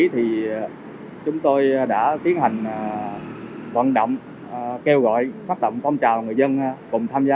thì chúng tôi đã tiến hành vận động kêu gọi phát động phong trào người dân cùng tham gia